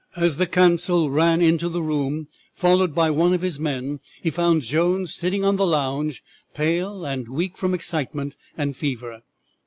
As the consul ran into the room followed by one of his men he found Jones sitting on the lounge, pale and weak from excitement and fever.